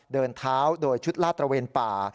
เดินเท้าโดยชุดลาดตระเวนป่า